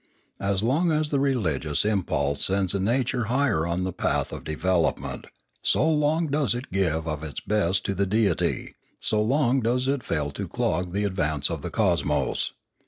As long as the religious impulse sends the nature higher on the path of development, so long does it give of its best to the Deity, so long does it fail to clog the advance of the cosmos.